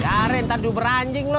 biarin ntar duber anjing lo